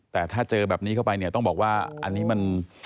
แต่ถ้าเจอแบบนี้เข้าไปเนี่ยต้องบอกว่าอันนี้มัน